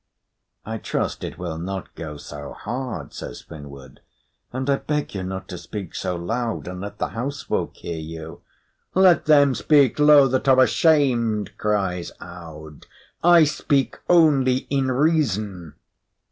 "I trust it will not go so hard," says Finnward, "and I beg you not to speak so loud and let the house folk hear you." "Let them speak low that are ashamed!" cries Aud. "I speak only in reason."